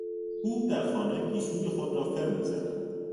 او در خانه گیسوی خود را فر میزند.